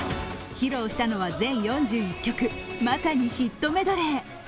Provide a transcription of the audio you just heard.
披露したのは全４１曲まさにヒットメドレー。